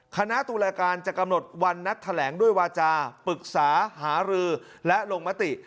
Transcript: คณะตุลาการจะกำหนดวันนัดแถลงด้วยวาจาปรึกษาหารือและลงมติ